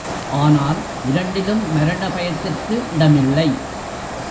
ஆனால், இரண்டிலும் மரண பயத்திற்கு இடமில்லை.